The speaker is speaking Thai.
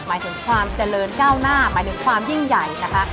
หมายถึงความเจริญก้าวหน้าหมายถึงความยิ่งใหญ่นะคะ